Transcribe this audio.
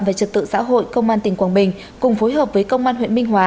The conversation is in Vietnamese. và trực tự xã hội công an tỉnh quảng bình cùng phối hợp với công an huyện minh hóa